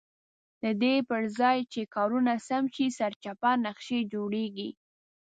ددې پرځای چې کارونه سم شي سرچپه نقشې جوړېږي.